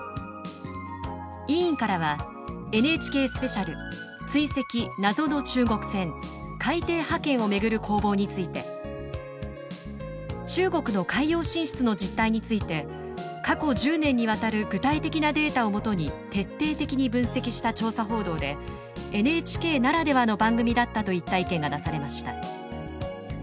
委員からはＮＨＫスペシャル「追跡・謎の中国船“海底覇権”をめぐる攻防」について「中国の海洋進出の実態について過去１０年にわたる具体的なデータを基に徹底的に分析した調査報道でＮＨＫならではの番組だった」といった意見が出されました。